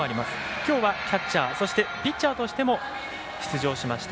きょうは、キャッチャー、そしてピッチャーとしても出場しました